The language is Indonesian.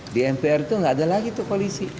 di mpr itu gak ada lagi tuh koalisi